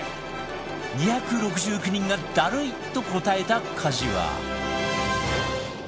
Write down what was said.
２６９人がダルいと答えた家事は